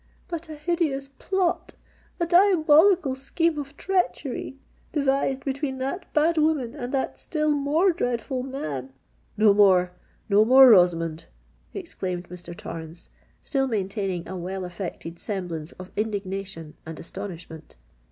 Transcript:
But a hideous plot—a diabolical scheme of treachery—devised between that bad woman and that still more dreadful man——" "No more—no more, Rosamond!" exclaimed Mr. Torrens, still maintaining a well affected semblance of indignation and astonishment.